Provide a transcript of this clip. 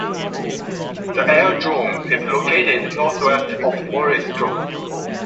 The airdrome is located northwest of Morestel.